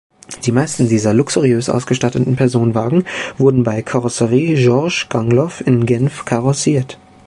Die meisten dieser luxuriös ausgestatteten Personenwagen wurden bei Carrosserie Georges Gangloff in Genf karossiert.